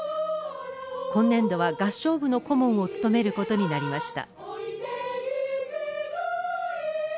今年度は合唱部の顧問を務めることになりました。